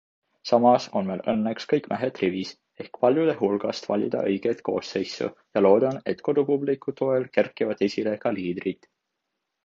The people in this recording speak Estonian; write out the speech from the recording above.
Samas on meil õnneks kõik mehed rivis ehk paljude hulgast valida õiget koosseisu ja loodan, et kodupubliku toel kerkivad esile ka liidrid.